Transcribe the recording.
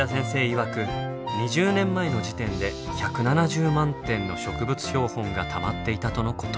いわく２０年前の時点で１７０万点の植物標本がたまっていたとのこと。